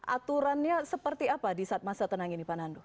aturannya seperti apa di saat masa tenang ini pak nandu